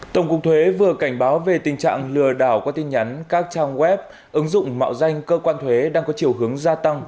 tổng cục thuế vừa cảnh báo về tình trạng lừa đảo qua tin nhắn các trang web ứng dụng mạo danh cơ quan thuế đang có chiều hướng gia tăng